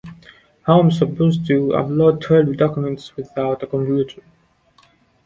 How am I supposed to upload twelve documents without a computer?